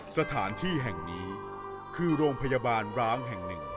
สถานที่แห่งนี้คือโรงพยาบาลร้างแห่งหนึ่ง